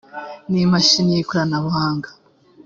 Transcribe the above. n imashini y ikoranabuhanga